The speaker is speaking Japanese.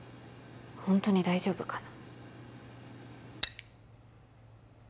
ホントに大丈夫かな？